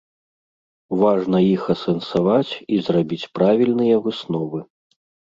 Важна іх асэнсаваць і зрабіць правільныя высновы.